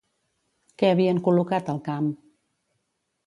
Què havien col·locat al camp?